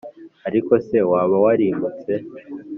ariko se waba warimutse?